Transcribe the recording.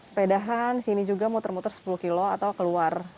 sepedahan sini juga muter muter sepuluh kilo atau keluar